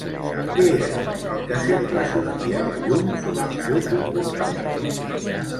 Què era el que sempre sortia a la llum sobre el seu comportament?